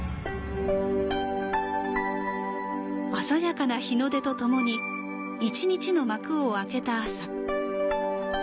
鮮やかな日の出とともに１日の幕を開けた朝。